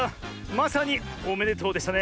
まさにおめでとうでしたね。